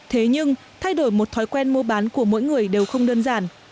thế nhưng thay đổi một thói quen mua bán của mỗi người đều không đơn giản